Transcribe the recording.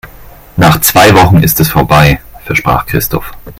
"Nach zwei Wochen ist es vorbei", versprach Christoph.